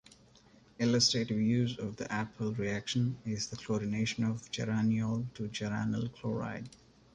Illustrative use of the Appel reaction is the chlorination of geraniol to geranyl chloride.